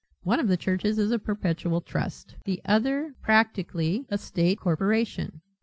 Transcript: "One of the churches is a perpetual trust, the other practically a state corporation.